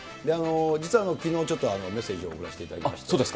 実はきのう、ちょっとメッセージを送らせていただきまして。